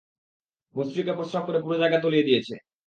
ভোস্রিকে প্রসাব করে পুরো জায়গা তলিয়ে দিয়েছে।